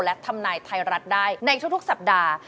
และทำนายไทยรัฐได้ในทุกสัปดาห์